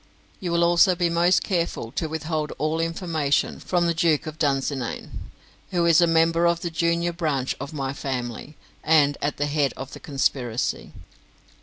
You will also be most careful to withhold all information from the Duke of Dunsinane, who is a member of the junior branch of my family, and at the head of the conspiracy.